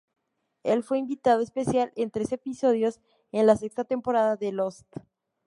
Él fue invitado especial en tres episodios en la sexta temporada de "Lost".